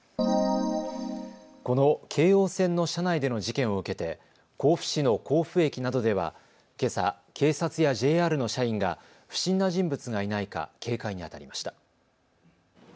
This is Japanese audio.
この京王線の車内での事件を受けて甲府市の甲府駅などではけさ、警察やＪＲの社員が不審な人物がいないか警戒にあたりました。